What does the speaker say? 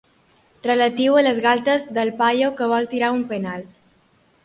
Relatiu a les galtes del paio que vol tirar un penal.